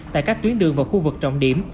tại các tuyến đường và khu vực trọng điểm